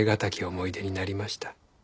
思い出になりました。